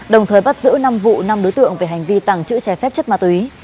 đồng thời bắt giữ năm vụ năm đối tượng về hành vi tàng trữ trái phép chất ma túy